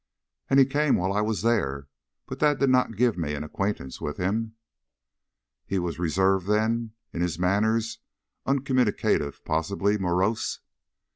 "And he came while I was there, but that did not give me an acquaintance with him." "He was reserved, then, in his manners, uncommunicative, possibly morose?"